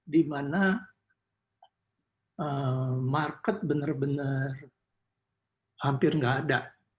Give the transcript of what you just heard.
di mana market benar benar hampir nggak ada